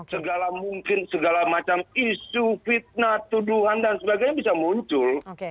segala mungkin segala macam isu fitnah tuduhan dan sebagainya bisa muncul